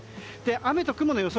雨と雲の予想